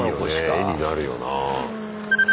絵になるよな。